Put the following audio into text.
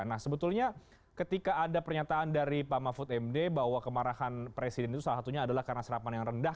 nah sebetulnya ketika ada pernyataan dari pak mahfud md bahwa kemarahan presiden itu salah satunya adalah karena serapan yang rendah